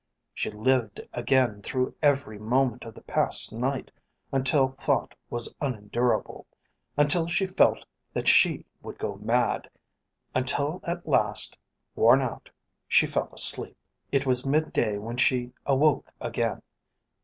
She lived again through every moment of the past night until thought was unendurable, until she felt that she would go mad, until at last, worn out, she fell asleep. It was midday when she awoke again.